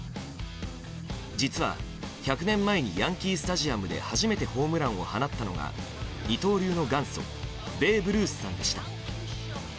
実は、１００年前にヤンキー・スタジアムで初めてホームランを放ったのが二刀流の元祖ベーブ・ルースさんでした。